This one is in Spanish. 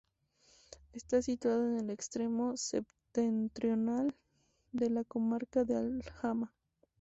Está situada en el extremo septentrional de la comarca de Alhama.